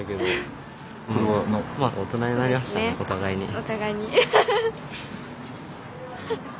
お互いに。